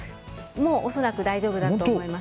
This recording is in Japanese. もう恐らく大丈夫だと思います。